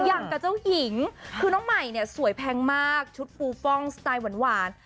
อย่างกับเจ้าหญิงคือน้องใหม่เนี่ยสวยแพงมากชุดปูฟ่องสไตล์หวาน